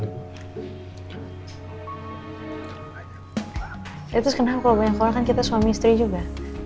ya terus kenapa kalau banyak orang kan kita suami istri juga